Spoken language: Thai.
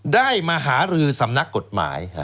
ได้มาหารือสำนักกฎหมาย